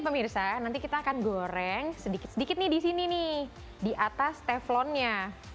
pemirsa nanti kita akan goreng sedikit sedikit nih di sini nih di atas teflonnya